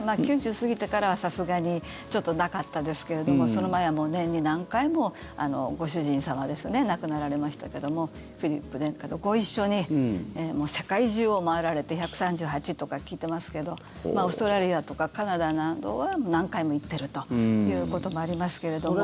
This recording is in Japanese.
９０過ぎてからは、さすがにちょっとなかったですけどその前は年に何回もご主人様ですね亡くなられましたけれどもフィリップ殿下とご一緒に世界中を回られて１３８とか聞いてますけどオーストラリアとかカナダなどは何回も行っているということもありますけれども。